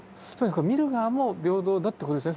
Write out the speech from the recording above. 見る側も平等だってことですね。